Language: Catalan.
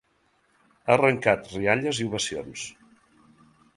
Ha arrencat rialles i ovacions.